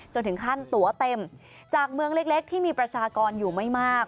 ถึงขั้นตัวเต็มจากเมืองเล็กที่มีประชากรอยู่ไม่มาก